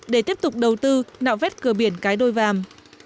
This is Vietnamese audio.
để tiếp tục đầu tư nạo vét cửa biển cái đôi vàm